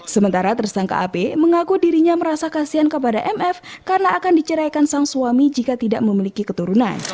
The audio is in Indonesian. sementara tersangka ap mengaku dirinya merasa kasihan kepada mf karena akan diceraikan sang suami jika tidak memiliki keturunan